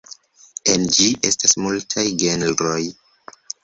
En ĝi estas multaj genroj.